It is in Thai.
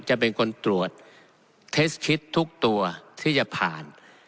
จะเป็นคนตรวจเทสคิดทุกตัวที่จะผ่าน